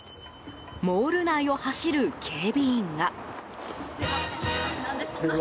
モール内を走る警備員が。